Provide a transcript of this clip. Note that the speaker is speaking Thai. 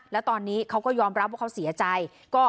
แล้วตอนนี้เขาก็ยอมรับว่าเขาเสียใจ